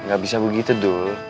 gak bisa begitu dul